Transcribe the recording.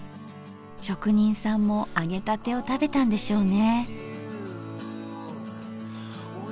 職人さんも揚げたてを食べたんでしょうね。